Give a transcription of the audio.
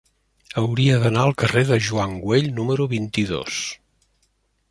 Hauria d'anar al carrer de Joan Güell número vint-i-dos.